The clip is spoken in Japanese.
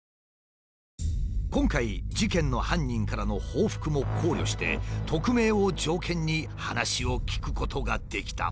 今回事件の犯人からの報復も考慮して匿名を条件に話を聞くことができた。